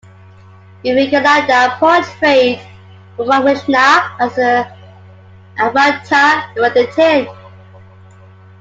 Vivekananda portrayed Ramakrishna as an Advaita Vedantin.